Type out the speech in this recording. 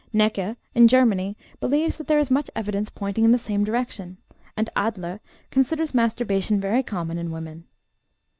Näcke, in Germany, believes that there is much evidence pointing in the same direction, and Adler considers masturbation very common in women.